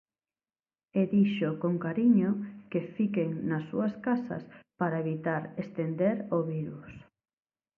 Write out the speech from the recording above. E, dixo, "con cariño: que fiquen nas súas casas" para evitar "estender o virus".